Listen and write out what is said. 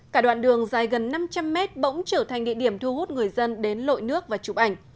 cả đoạn đường dài gần năm trăm linh mét bỗng trở thành địa điểm thu hút người dân đến lội nước và chụp ảnh